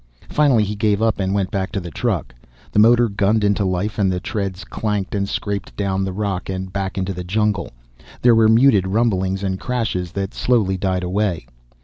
Finally he gave up and went back to the truck. The motor gunned into life and the treads clanked and scraped down the rock and back into the jungle. There were muted rumblings and crashes that slowly died away.